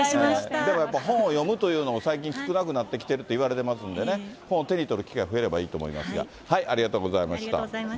でもやっぱり、本を読むというのも最近、少なくなってきてるといわれてますんでね、本を手に取る機会、増えるといいと思いまありがとうございました。